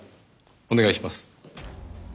お願いします。